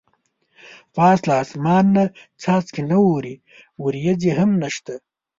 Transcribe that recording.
پاس له اسمان نه څاڅکي نه اوري ورېځې هم نشته.